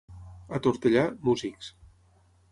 A Tortellà, músics.